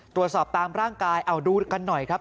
ตรวจสอบตามร่างกายเอาดูกันหน่อยครับ